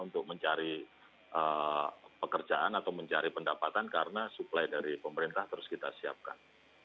untuk mencari pekerjaan atau mencari pendapatan karena suplai dari pemerintah terus kita siapkan